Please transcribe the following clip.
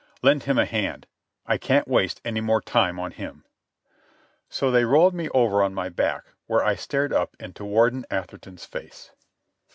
"Lend him a hand. I can't waste any more time on him." So they rolled me over on my back, where I stared up into Warden Atherton's face.